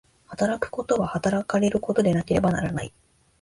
働くことは働かれることでなければならない。